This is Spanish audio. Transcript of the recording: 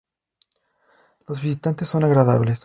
Los visitantes son agradables.